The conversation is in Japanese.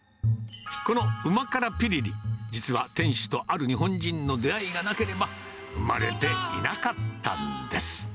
このうま辛ぴりり、実は、店主とある日本人の出会いがなければ、生まれていなかったんです。